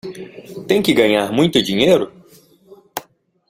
Tem que ganhar muito dinheiro?